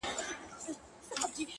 نثر يې بېل رنګ لري ښکاره،